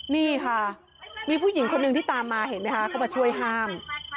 นี่ค่ะมีผู้หญิงคนหนึ่งที่ตามมาเห็นไหมคะเข้ามาช่วยห้าม